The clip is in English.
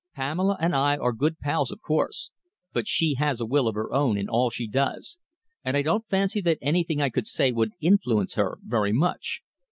"Pamela and I are good pals, of course, but she has a will of her own in all she does, and I don't fancy that anything I could say would influence her very much."